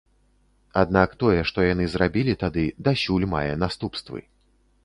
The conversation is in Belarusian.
Аднак тое, што яны зрабілі тады, дасюль мае наступствы.